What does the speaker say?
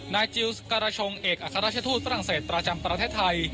จิลสการาชงเอกอัครราชทูตฝรั่งเศสประจำประเทศไทย